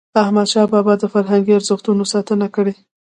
احمدشاه بابا د فرهنګي ارزښتونو ساتنه کړی.